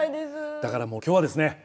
だからもう今日はですね